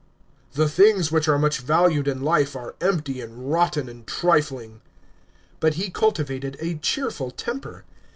" The things which are much valued in life are empty and rotten and trifling." But be cultivated a cheerful temf>er.